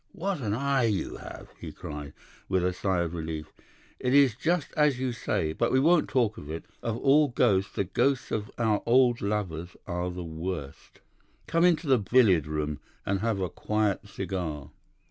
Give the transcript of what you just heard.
"What an eye you have!" he cried, with a sigh of relief. 'It is just as you say. But we won't talk of it. Of all ghosts the ghosts of our old lovers are the worst. Come into the billiard room and have a quiet cigar.